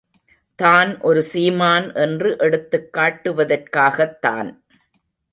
தான் ஒரு சீமான் என்று எடுத்துக் காட்டுவதற்காகத்தான்.